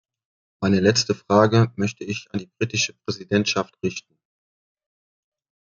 Meine letzte Frage möchte ich an die britische Präsidentschaft richten.